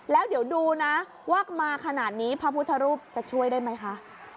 แล้วเดี๋ยวดูนะว่ามาขนาดนี้พระพุทธรูปจะช่วยได้ไหมคะ